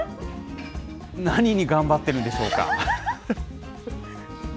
何に頑張ってるんでしょうか。